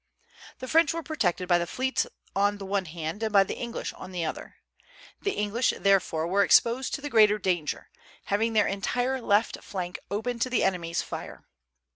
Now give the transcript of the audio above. The French were protected by the fleets on the one hand and by the English on the other. The English therefore were exposed to the greater danger, having their entire left flank open to the enemy's fire.